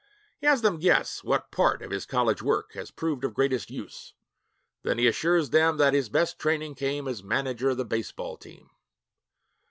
He has them guess what part of his college work has proved of greatest use; then he assures them that his best training came as manager of the baseball team.